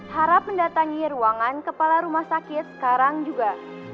harap mendatangi ruangan kepala rumah sakit sekarang juga